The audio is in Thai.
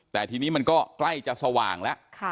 แต่ทีนี้มันก็ใกล้จะสว่างแล้ว